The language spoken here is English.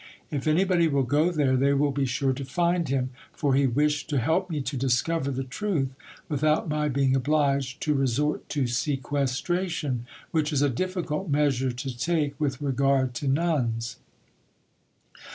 If anybody will go there, they will be sure to find him, for he wished to help me to discover the truth without my being obliged to resort to sequestration, which is a difficult measure to take with regard to nuns."